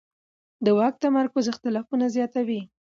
د واک تمرکز اختلافونه زیاتوي